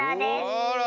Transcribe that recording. あら！